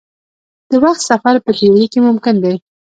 د وخت سفر په تیوري کې ممکن دی.